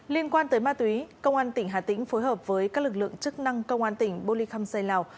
liên quan tới ma túy công an tỉnh hà tĩnh phối hợp với các lực lượng chức năng công an tỉnh bô ly khăm xây lào